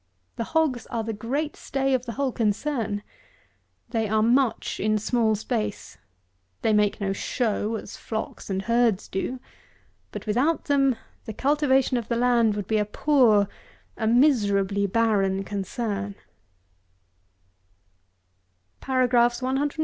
The hogs are the great stay of the whole concern. They are much in small space; they make no show, as flocks and herds do; but with out them, the cultivation of the land would be a poor, a miserably barren concern.